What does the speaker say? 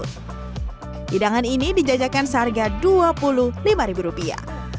hidangan ini dijajakan seharga dua puluh lima ribu rupiah